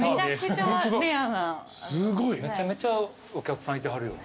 めちゃめちゃお客さんいてはるよ。